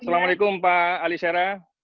assalamu'alaikum pak ali syara